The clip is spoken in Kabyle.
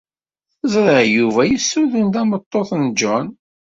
Ẓriɣ Yuba yessudun tameṭṭut n John.